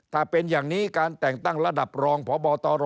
ถ้าเป็นอย่างนี้การแต่งตั้งระดับรองพบตร